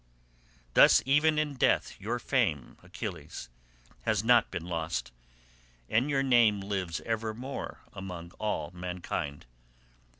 Thus even in death your fame, Achilles, has not been lost, and your name lives evermore among all mankind.